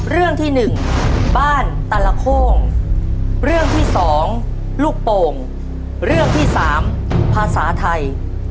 เรื่องที่หนึ่งบ้านตลโค้งเรื่องที่สองลูกโป่งเรื่องที่สามภาษาไทย